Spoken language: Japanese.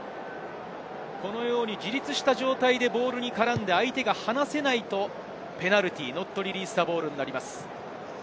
自立した状態でボールに絡んで、相手が離せないとペナルティー、ノットリリースザボールになります。